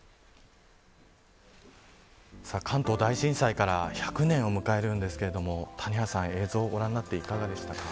関東大震災から１００年を迎えるんですが谷原さん、映像をご覧になっていかがですか。